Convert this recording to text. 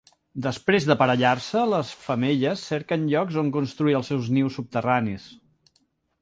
Després d'aparellar-se les femelles cerquen llocs on construir els seus nius subterranis.